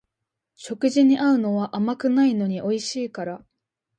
食事に合うのは甘くないのにおいしいから